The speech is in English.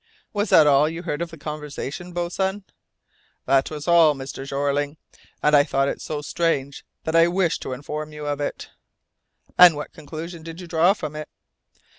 '" "Was that all you heard of the conversation, boatswain?" "That was all, Mr. Jeorling, and I thought it so strange that I wished to inform you of it." "And what conclusion did you draw from it?"